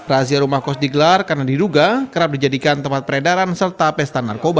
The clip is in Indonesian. razia rumah kos digelar karena diduga kerap dijadikan tempat peredaran serta pesta narkoba